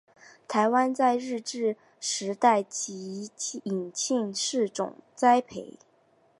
台湾在日治时代即引进试种栽培。